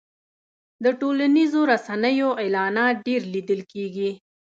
د ټولنیزو رسنیو اعلانات ډېر لیدل کېږي.